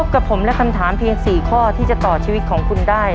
กับผมและคำถามเพียง๔ข้อที่จะต่อชีวิตของคุณได้